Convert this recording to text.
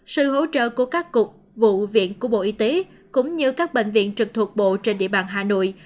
sự hỗ trợ của các cục vụ viện của bộ y tế cũng như các bệnh viện trực thuộc bộ trên địa bàn hà nội